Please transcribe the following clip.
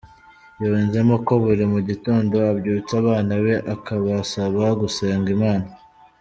Yunzemo ko buri mu gitondo abyutsa abana be akabasaba gusenga Imana.